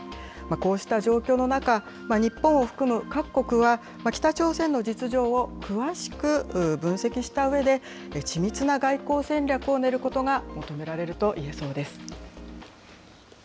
こうした状況の中、日本を含む各国は、北朝鮮の実情を詳しく分析したうえで、緻密な外交戦略を練ることが求められるといえそうです。